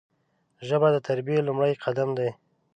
ژبه د تربیې لومړی قدم دی